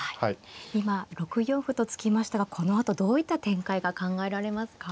今６四歩と突きましたがこのあとどういった展開が考えられますか。